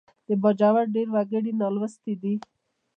د باجوړ ډېر وګړي نالوستي دي